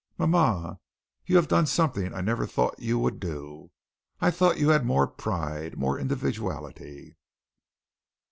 Mama, you have done something I never thought you would do. I thought you had more pride more individuality."